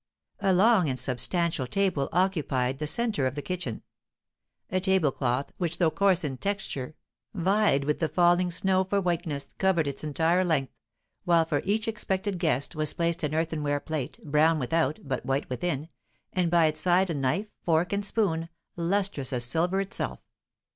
A long and substantial table occupied the centre of the kitchen; a tablecloth, which, though coarse in texture, vied with the falling snow for whiteness, covered its entire length; while for each expected guest was placed an earthenware plate, brown without, but white within, and by its side a knife, fork, and spoon, lustrous as silver itself.